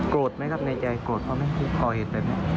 โกรธไหมครับในใจโกรธเขาไหมพี่ก่อเหตุไปไหม